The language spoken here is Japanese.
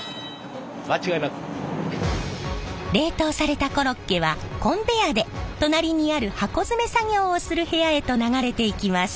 冷凍されたコロッケはコンベヤーで隣にある箱詰め作業をする部屋へと流れていきます。